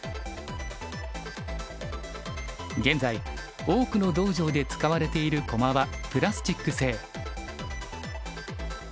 現在多くの道場で使われている駒はプラスチック製。